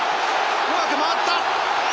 うまく回った！